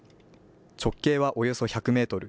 直径は、およそ１００メートル。